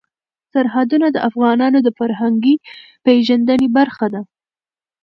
سرحدونه د افغانانو د فرهنګي پیژندنې برخه ده.